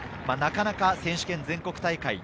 なかなか選手権、全国大会